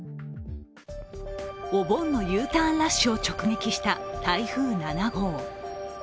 お盆のＵターンラッシュを直撃した台風７号。